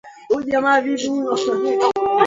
vivyo hivyo vimethibitishwa lakini akasema kuwa